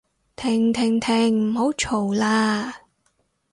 停停停唔好嘈喇